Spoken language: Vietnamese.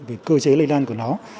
về cơ chế lây lan của nó